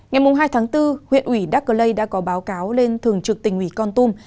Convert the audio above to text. ngày hai tháng bốn huyện ủy đắc lây đã có báo cáo lên thường trực tình ủy con tum